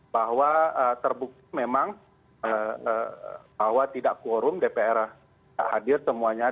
bahwa terbukti memang bahwa tidak quorum dpr tidak hadir semuanya